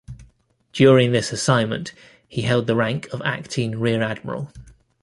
During this assignment he held the rank of acting rear admiral.